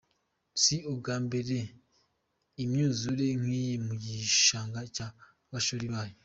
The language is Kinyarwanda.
Si ubwa mbere imyuzure nk’iyi mu gishanga cya Gashora ibaye.